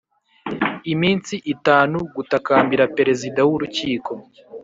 Iminsi itanu gutakambira perezida w urukiko